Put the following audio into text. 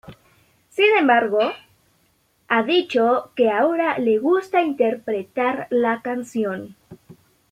Sin embargo, ha dicho que ahora le gusta interpretar la canción.